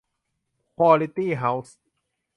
ควอลิตี้เฮ้าส์